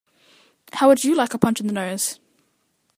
How would you like a punch in the nose?